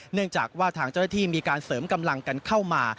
เนื่องจากว่าทางเจ้าหน้าที่มีการเสริมกำลังกันเข้ามา